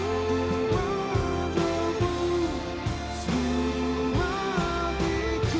kau buat cemburu seluruh hatiku